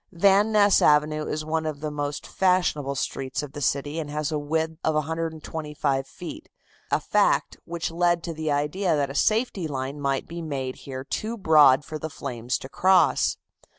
Van Ness Avenue is one of the most fashionable streets of the city and has a width of 125 feet, a fact which led to the idea that a safety line might be made here too broad for the flames to cross.